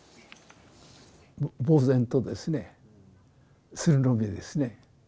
ぼう然とですね、するのみですね。